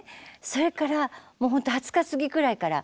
それから２０日過ぎくらいから